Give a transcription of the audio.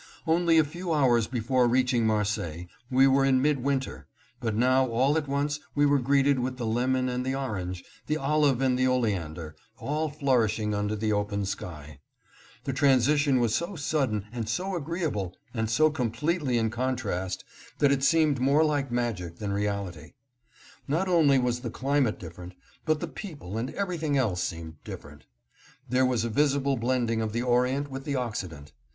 Only a few hours before reaching Marseilles we were in mid winter ; but now all at once we were greeted with the lemon and the orange, the olive and the oleander, all flourishing under the open sky. The transition was so sudden and so agreeable AT MARSEILLES. 689 and so completely in contrast, that it seemed more like magic than reality. Not only was the climate dif ferent, but the people and everything else seemed differ ent. There was a visible blending of the orient with the Occident.